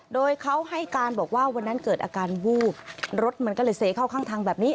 โดยเขาให้การบอกว่าวันนั้นเกิดอาการวูบรถมันก็เลยเซเข้าข้างทางแบบนี้